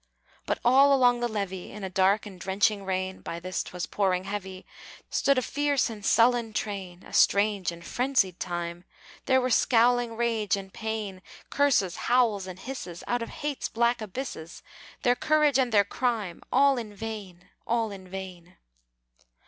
But all along the levee, In a dark and drenching rain (By this 'twas pouring heavy), Stood a fierce and sullen train, A strange and frenzied time! There were scowling rage and pain, Curses, howls, and hisses, Out of Hate's black abysses, Their courage and their crime All in vain all in vain!